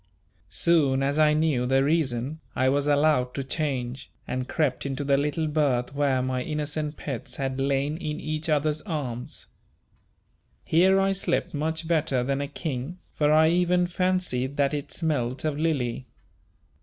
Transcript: Soon as I knew the reason, I was allowed to change, and crept into the little berth where my innocent pets had lain in each other's arms. Here I slept much better than a king, for I even fancied that it smelt of Lily.